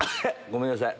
ごめんなさい。